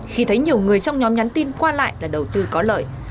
khi thấy nhiều người trong nhóm nhắn tin qua lại là đầu tư có lợi